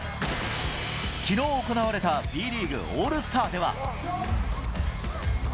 きのう行われたＢリーグオールスターでは。